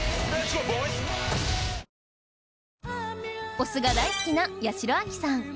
お酢が大好きな八代亜紀さん